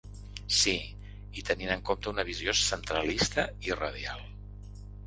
Sí, i tenint en compte una visió centralista i radial.